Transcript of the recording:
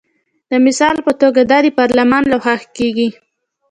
د مثال په توګه دا د پارلمان لخوا کیږي.